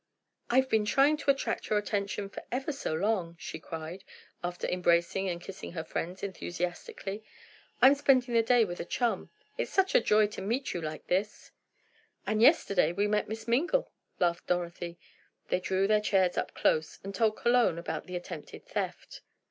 "I've been trying to attract your attention for ever so long," she cried, after embracing and kissing her friends enthusiastically. "I'm spending the day with a chum. It's such a joy to meet you like this!" "And yesterday we met Miss Mingle," laughed Dorothy. They drew their chairs up close, and told Cologne about the attempted theft.